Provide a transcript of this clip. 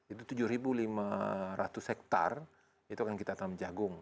itu tujuh lima ratus hektare itu akan kita tanam jagung